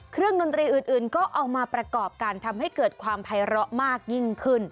เครื่องก็เอามาประกอบการทำให้เกิดความไภเหราะมากยิ่งขึ้น